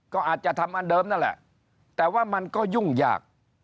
ก็อาจจะทำอันเดิมนั่นแหละแต่ว่ามันก็ยุ่งยาก